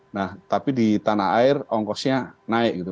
nah tapi di tanah air ongkosnya naik gitu